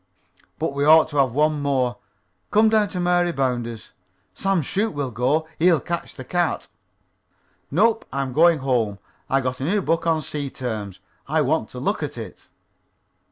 "But we ought to have one more. Come down to Mary Bounder's. Sam Shoop will go. He'll catch the cat." "Nope. I'm going home. I got a new book on sea terms, and I want to look at it."